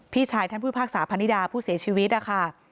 พี่ชายท่านผู้พิพากษาพนิดาผู้เสียชีวิตนะคะ